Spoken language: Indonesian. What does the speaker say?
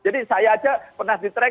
jadi saya saja pernah di tracking